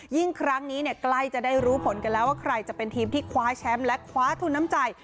ครั้งนี้ใกล้จะได้รู้ผลกันแล้วว่าใครจะเป็นทีมที่คว้าแชมป์และคว้าทุนน้ำใจ